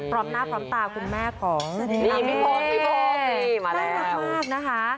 พร้อมหน้าพร้อมตาคุณแม่ของพี่โภคได้รักมากนะคะ